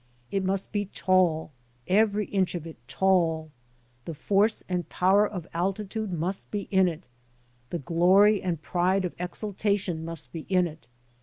It must be tall, every inch of it tall. The force and power of altitude must be in it, the glory and pride of exaltation must be in it.